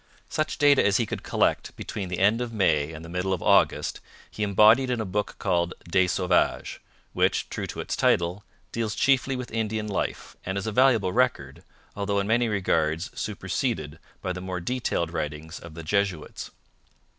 Such data as he could collect between the end of May and the middle of August he embodied in a book called Des Sauvages, which, true to its title, deals chiefly with Indian life and is a valuable record, although in many regards superseded by the more detailed writings of the Jesuits.